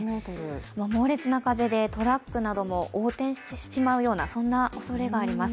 猛烈な風でトラックなども横転してしまうようなそんなおそれがあります